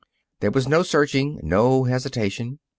There was no searching, no hesitation.